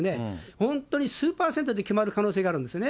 本当に数％で決まる可能性があるんですね。